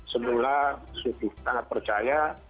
semula sudah sangat percaya